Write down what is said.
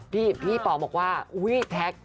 พี่ป๋อบอกว่าอุ๊ยแท็ก